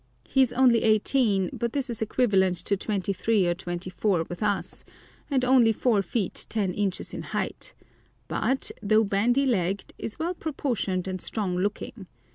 He is only eighteen, but this is equivalent to twenty three or twenty four with us, and only 4 feet 10 inches in height, but, though bandy legged, is well proportioned and strong looking.